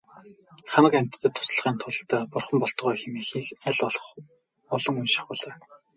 Хамаг амьтдад туслахын тулд бурхан болтугай хэмээхийг аль олон унших болой.